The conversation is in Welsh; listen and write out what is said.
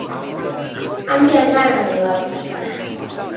Amgueddfa yw'r adeilad, bellach.